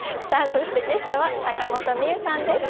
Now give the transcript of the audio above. そしてゲストは坂本美雨さんです。